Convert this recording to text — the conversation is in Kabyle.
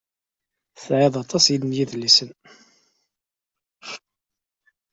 Tesɛiḍ aṭas n yedlisen.